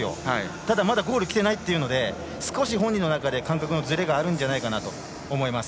ただ、まだゴールがきていないというので少し本人の中で感覚のズレがあると思います。